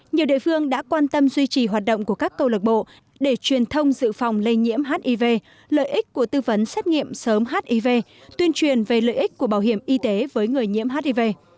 nhiều địa phương đã quan tâm duy trì hoạt động của các câu lạc bộ để truyền thông dự phòng lây nhiễm hiv lợi ích của tư vấn xét nghiệm sớm hiv tuyên truyền về lợi ích của bảo hiểm y tế với người nhiễm hiv